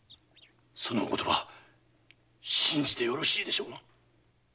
そのお言葉信じてよろしいでしょうな。